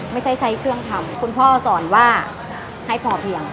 ไม่ใช่ใช้เครื่องทำคุณพ่อสอนว่าให้พอเพียง